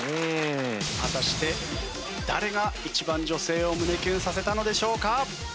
果たして誰が一番女性を胸キュンさせたのでしょうか？